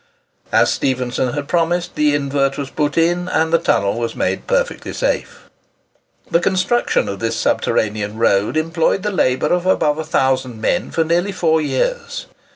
As Stephenson had promised, the invert was put in; and the tunnel was made perfectly safe. The construction of this subterranean road employed the labour of above a thousand men for nearly four years.